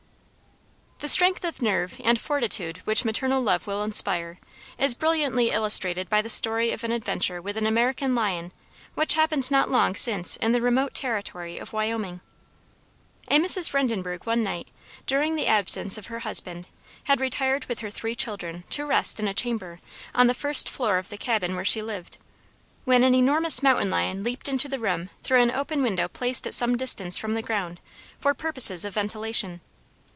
'" The strength of nerve and fortitude which maternal love will inspire, is brilliantly illustrated by the story of an adventure with an American lion which happened not long since in the remote territory of Wyoming. A Mrs. Vredenbergh one night, during the absence of her husband, had retired with her three children, to rest, in a chamber, on the first floor of the cabin where she lived, when an enormous mountain lion leaped into the room through an open window placed at some distance from the ground for purposes of ventilation.